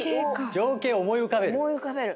情景を思い浮かべる。